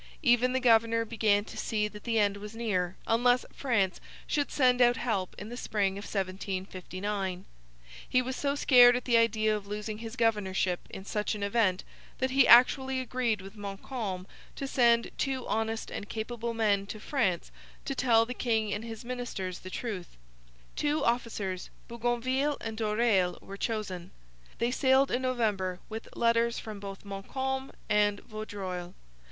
Even the governor began to see that the end was near, unless France should send out help in the spring of 1759. He was so scared at the idea of losing his governorship in such an event that he actually agreed with Montcalm to send two honest and capable men to France to tell the king and his ministers the truth. Two officers, Bougainville and Doreil, were chosen. They sailed in November with letters from both Montcalm and Vaudreuil.